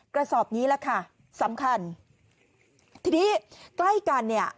กระสอบนี้แหละค่ะสำคัญทีนี้ใกล้กันเนี่ย